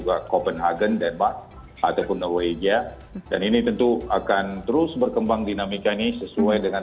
danhagen denmark ataupun new asia dan ini tentu akan terus berkembang dinamikanya sesuai dengan